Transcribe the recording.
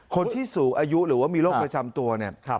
คนที่สูงอายุหรือว่ามีโรคประจำตัวเนี่ย